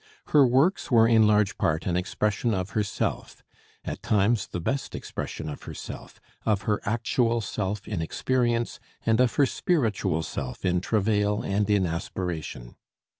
Her works were in large part an expression of herself; at times the best expression of herself of her actual self in experience and of her spiritual self in travail and in aspiration.